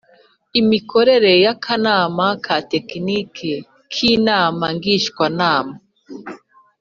Imikorere y Akanama ka Tekinike k Inama Ngishwanama